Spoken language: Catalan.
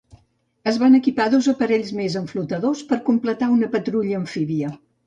Es van equipar dos aparells més amb flotadors, per completar una patrulla amfíbia.